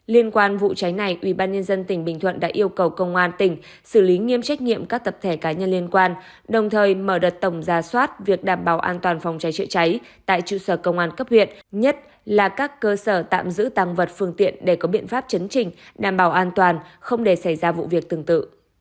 liên quan vụ cháy này ubnd tỉnh bình thuận đã yêu cầu công an tỉnh xử lý nghiêm trách nhiệm các tập thể cá nhân liên quan đồng thời mở đợt tổng ra soát việc đảm bảo an toàn phòng cháy chữa cháy tại trụ sở công an cấp huyện nhất là các cơ sở tạm giữ tăng vật phương tiện để có biện pháp chấn trình đảm bảo an toàn không để xảy ra vụ việc tương tự